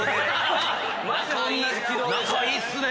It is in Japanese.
仲いいっすね！